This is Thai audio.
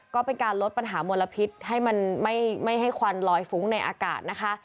ก็เป็นการลดปัญหามลพิษให้มันไม่ให้ควันลอยฟุ้งในอากาศนะคะ